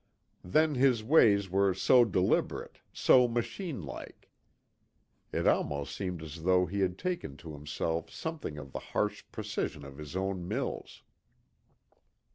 Then his ways were so deliberate, so machine like. It almost seemed as though he had taken to himself something of the harsh precision of his own mills.